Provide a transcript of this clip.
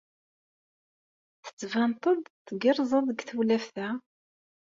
Tettbaneḍ-d tgerrzeḍ deg tewlaft-a!